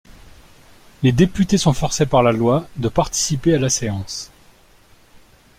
Les députés sont forcés par la loi de participer à la séance.